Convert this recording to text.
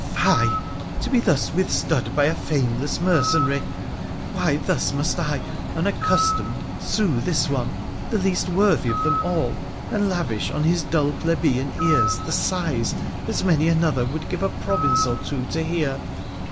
'Fie! to be thus withstood by a fameless mercenary. Why thus must I, unaccustomed, sue this one — the least worthy of them all — and lavish on his dull plebeian ears the sighs that many another would give a province or two to hear